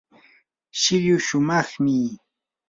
shilluu shumaqmi.